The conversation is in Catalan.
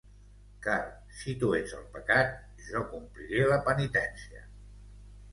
Car si tu ets el pecat, jo compliré la penitència.